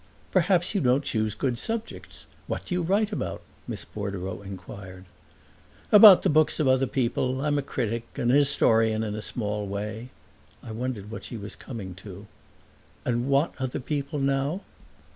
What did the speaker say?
"Perhaps you don't choose good subjects. What do you write about?" Miss Bordereau inquired. "About the books of other people. I'm a critic, an historian, in a small way." I wondered what she was coming to. "And what other people, now?"